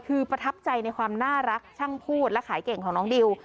คือประทับใจในความน่ารักช่างพูดและขายเก่งของน้องดิว